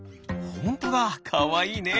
ほんとだかわいいね！